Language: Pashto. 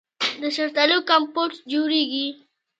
د شفتالو کمپوټ جوړیږي.